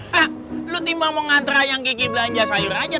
hah lu timbang mau ngantra yang gigi belanja sayur aja